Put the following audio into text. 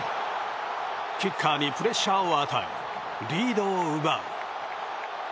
キッカーにプレッシャーを与えリードを奪う。